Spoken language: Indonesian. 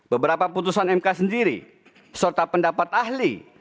beberapa putusan mk sendiri serta pendapat ahli